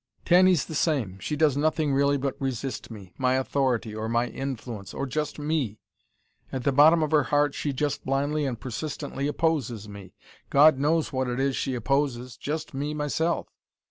"Tanny's the same. She does nothing really but resist me: my authority, or my influence, or just ME. At the bottom of her heart she just blindly and persistently opposes me. God knows what it is she opposes: just me myself.